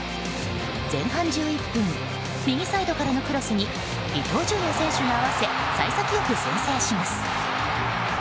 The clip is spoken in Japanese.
前半１１分右サイドからのクロスに伊東純也選手が合わせ幸先よく先制します。